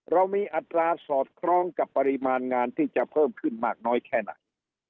เรามีอัตราสอดคล้องกับปริมาณงานที่จะเพิ่มขึ้นมากน้อยแค่ไหน